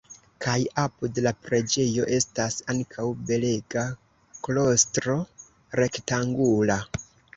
Kaj apud la preĝejo estas ankaŭ belega klostro rektangula.